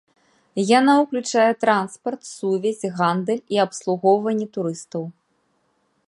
Яна ўключае транспарт, сувязь, гандаль і абслугоўванне турыстаў.